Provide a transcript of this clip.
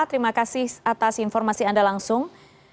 terima kasih atas informasi anda langsung